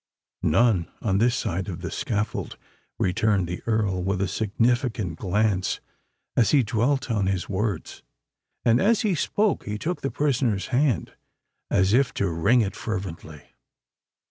"None—on this side of the scaffold," returned the Earl, with a significant glance as he dwelt on his words: and, as he spoke, he took the prisoner's hand as if to wring it fervently.